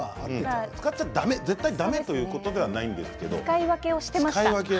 使っちゃ絶対だめというわけではないんです。